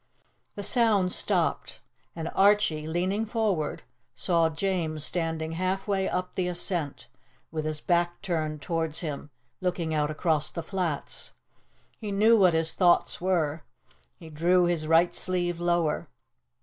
The sound stopped; and Archie, leaning forward, saw James standing half way up the ascent, with his back turned towards him, looking out across the flats. He knew what his thoughts were. He drew his right sleeve lower.